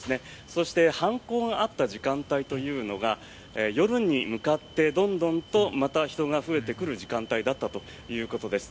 そして犯行があった時間帯というのが夜に向かって、またどんどんと人が増えてくる時間帯だったということです。